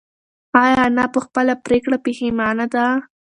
ایا انا په خپله پرېکړه پښېمانه ده؟